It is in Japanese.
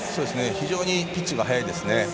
非常にピッチが速いですね。